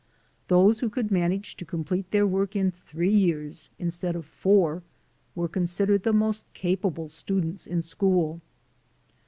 Those who could manage to complete their work in three years instead of four were considered the most capable students in school.